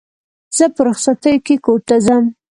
زه په رخصتیو کښي کور ته ځم.